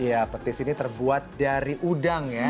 iya petis ini terbuat dari udang ya